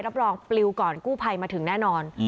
รับรองปลิวก่อนกู้ภัยมาถึงแน่นอน